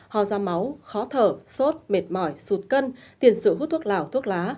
ho ra máu khó thở sốt mệt mỏi sụt cân tiền sự hút thuốc lào thuốc lá